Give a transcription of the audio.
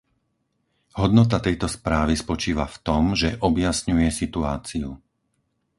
Hodnota tejto správy spočíva v tom, že objasňuje situáciu.